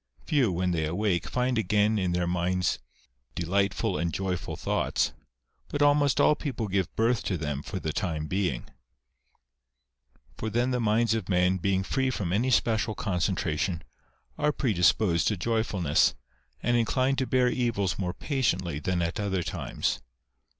Few, when they awake, find again in their minds delightful and joyful thoughts, but almost all people give birth to them for the time being. 154 THE SONG OF THE WILD COCK. For then the minds of men, being free from any special concentration, are predisposed to joyfulness, and inclined to bear evils more patiently than at other times.